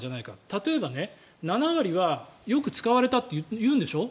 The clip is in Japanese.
例えば、７割はよく使われたと言うんでしょ？